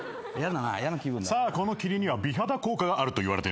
さあこの霧には美肌効果があるといわれているんですよ。